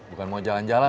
bukan mau jalan jalan ya